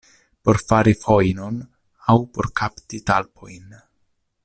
Por fari fojnon aŭ por kapti talpojn.